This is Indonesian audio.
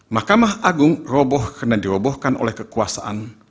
mahkamah agung roboh karena dirobohkan oleh kekuasaan